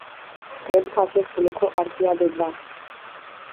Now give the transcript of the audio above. Cred că acest lucru ar fi adecvat.